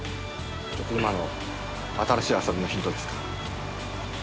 ちょっと今の新しい遊びのヒントですか？